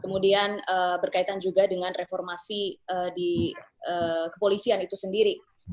kemudian berkaitan juga dengan reformasi di kepolisian itu sendiri